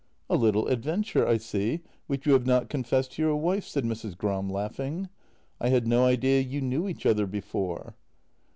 " A little adventure, I see, which you have not confessed to your wife," said Mrs. Gram, laughing. " I had no idea you knew each other before."